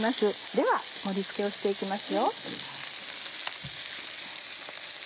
では盛り付けをして行きます。